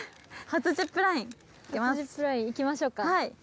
初ジップラインいきましょうか。